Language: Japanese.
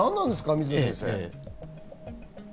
水野先生。